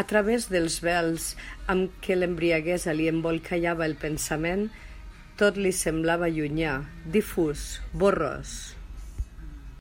A través dels vels amb què l'embriaguesa li embolcallava el pensament, tot li semblava llunyà, difús, borrós.